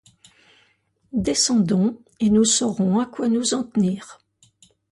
Descendons, et nous saurons à quoi nous en tenir.